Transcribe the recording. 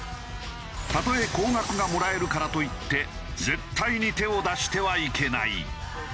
たとえ高額がもらえるからといって絶対に手を出してはいけない。